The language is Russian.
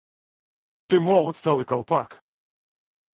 Ты, мол, отсталый колпак.